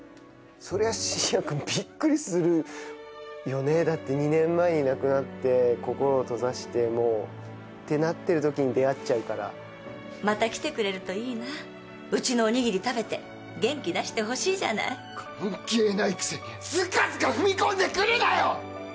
そりゃ信也君びっくりするよねだって２年前に亡くなって心を閉ざしてもうってなってるときに出会っちゃうからまた来てくれるといいなうちのおにぎり食べて元気出してほしいじゃない関係ないくせにずかずか踏み込んでくるなよ！